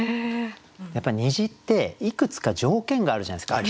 やっぱ虹っていくつか条件があるじゃないですか。